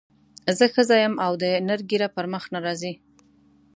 زه ښځه یم او د نر ږیره پر مخ نه راځي.